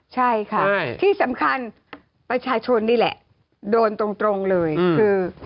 ใช่ค่ะที่สำคัญประชาชนนี่แหละโดนตรงเลยคือ